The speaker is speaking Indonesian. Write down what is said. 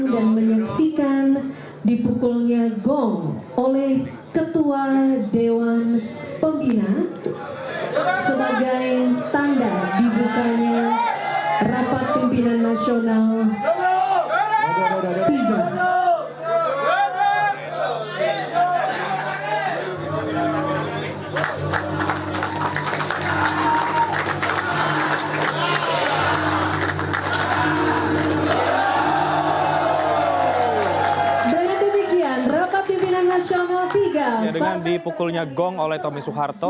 dengan dipukulnya gong oleh tommy soeharto